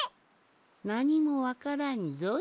なにもわからんぞい。